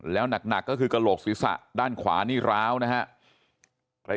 แล้วหนักก็คือกระโหลกศีรษะด้านขวานี่ร้าวนะครับ